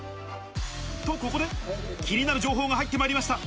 と、ここで、気になる情報が入って参りました。